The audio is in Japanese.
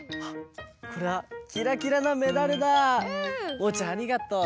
おうちゃんありがとう。